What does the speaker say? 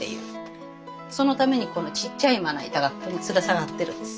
そのためにこのちっちゃいまな板がここにつる下がってるんです。